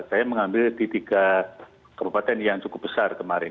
saya mengambil di tiga kabupaten yang cukup besar kemarin